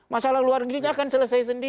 masalah luar negerinya akan selesai sendiri